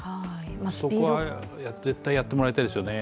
そこは絶対やってもらいたいですね。